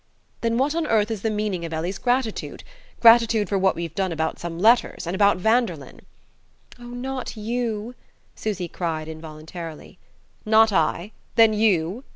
"Then what on earth is the meaning of Ellie's gratitude? Gratitude for what we've done about some letters and about Vanderlyn?" "Oh, not you," Susy cried, involuntarily. "Not I? Then you?"